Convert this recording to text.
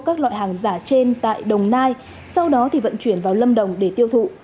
các loại hàng giả trên tại đồng nai sau đó vận chuyển vào lâm đồng để tiêu thụ